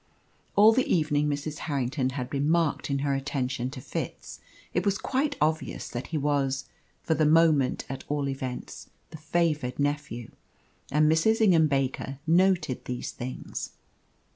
All the evening Mrs. Harrington had been marked in her attention to Fitz. It was quite obvious that he was for the moment, at all events the favoured nephew. And Mrs. Ingham Baker noted these things.